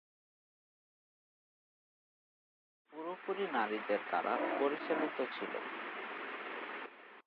এই শাখার সঙ্গীত বিভাগ পুরোপুরি নারীদের দ্বারা পরিচালিত ছিল।